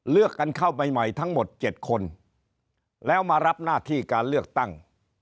เลือกกันเข้าไปใหม่ทั้งหมด๗คนแล้วมารับหน้าที่การเลือกตั้ง